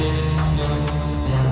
sekarang gue buktiin